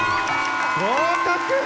合格！